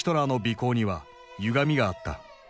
こうにはゆがみがあった。